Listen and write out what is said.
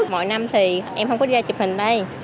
mỗi năm thì em không có đi ra chụp hình đây